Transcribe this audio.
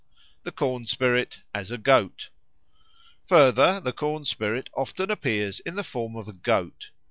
The Corn spirit as a Goat FURTHER, the corn spirit often appears in the form of a goat.